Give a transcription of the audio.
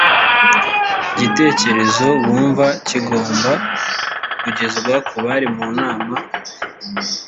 igitekerezo bumva kigomba kugezwa ku bari mu nama